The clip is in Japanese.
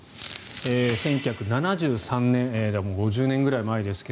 １９７３年もう５０年ぐらい前ですが